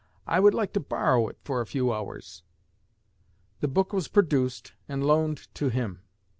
I would like to borrow it for a few hours.' The book was produced and loaned to him.